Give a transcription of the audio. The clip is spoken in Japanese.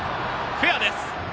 フェアです。